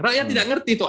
rakyat tidak mengerti tuh